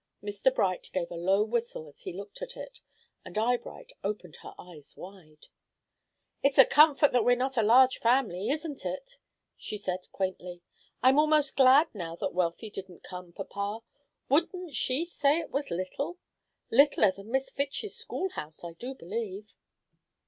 Mr. Bright gave a low whistle as he looked at it, and Eyebright opened her eyes wide. "It's a comfort that we're not a large family, isn't it?" she said, quaintly. "I'm almost glad now that Wealthy didn't come, papa. Wouldn't she say it was little? Littler than Miss Fitch's schoolhouse, I do believe."